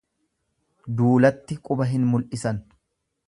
Duulatti quba hin mul'isan.